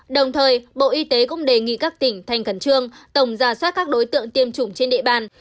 đồng thời bộ y tế cũng đề nghị các tỉnh thành khẩn trương tổng giả soát các đối tượng tiêm chủng trên địa bàn